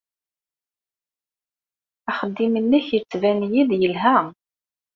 Axeddim-nnek yettban-iyi-d yelha.